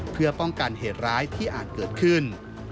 เพื่อป้องกันเหตุร้ายที่อาจเกิดขึ้น